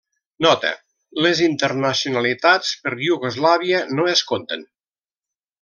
Nota: les internacionalitats per Iugoslàvia no es conten.